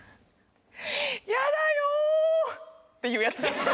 やだよ！っていうやつです。